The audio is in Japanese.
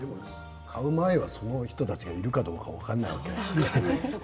買う前は、その人たちがいるかどうか分からないわけですよね。